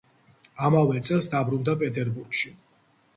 ამავე წელს დაბრუნდა პეტერბურგში.